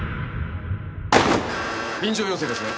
臨場要請ですね。